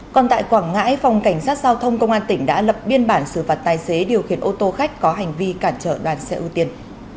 còn tại quảng ngãi phòng cảnh sát giao thông công an tỉnh đã lập biên bản xử phạt tài xế điều khiển ô tô khách có hành vi cản trở đoàn xe ưu tiên